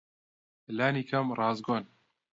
لانیکەم ڕاستگۆن.